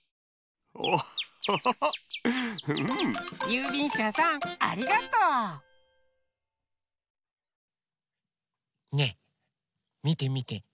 ゆうびんしゃさんありがとう！ねえみてみて。